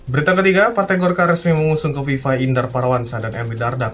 berita ketiga partai gorka resmi mengusung ke viva indar parwansa dan m i dardak